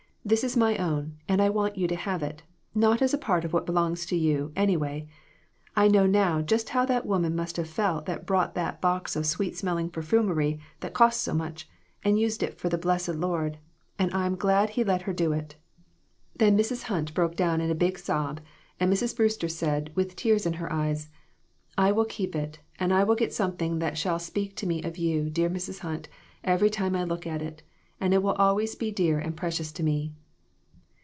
This is my own, and I want you to have it, not as a part of what belongs to you, anyway. I know now just how that woman must have felt that brought that box of sweet smelling perfumery that cost so much, and used it for the blessed Lord, and I'm glad he let her do it !' PERSECUTION OF THE SAINTS. l8/ "Then Mrs. Hunt broke down in a big sob, and Mrs. Brewster said, with tears in her eyes 'I will keep it, and I will get something that shall speak to me of you, dear Mrs. Hunt, every time I look at it, and it will always be dear and pre cious to me.'